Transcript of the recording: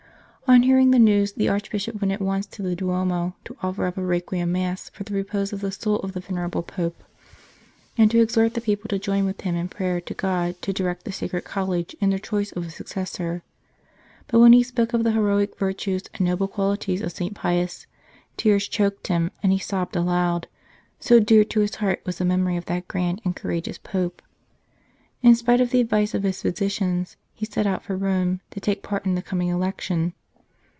On hearing the news, the Archbishop went at once to the Duomo, to offer up a Requiem Mass for the repose of the soul of the venerable Pope, and to exhort the people to join with him in prayer to God to direct the Sacred College in their choice of a successor ; but when he spoke of the heroic virtues and noble qualities of St. Pius, tears choked him, and he sobbed aloud, so dear to his heart was the memory of that grand and courageous Pope. In spite of the advice of his physicians, he set out for Rome to take part in the coming election.